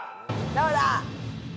どうだ？